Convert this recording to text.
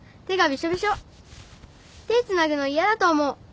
手つなぐの嫌だと思う。